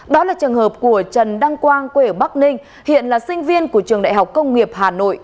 đó là trường hợp của trần đăng quang quê ở bắc ninh hiện là sinh viên của trường đại học công nghiệp hà nội